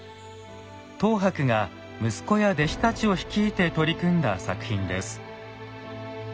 等伯が息子や弟子たちを率いて取り組んだ作品です。